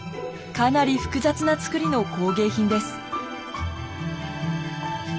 かなり複雑なつくりの工芸品です。